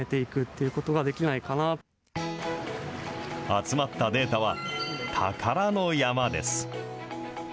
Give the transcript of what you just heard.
集まったデータは、宝の山です。